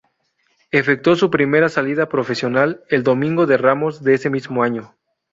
Efectuó su primera salida procesional el Domingo de Ramos de ese mismo año.